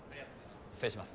失礼します。